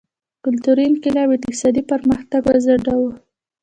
کلتوري انقلاب اقتصادي پرمختګ وځنډاوه.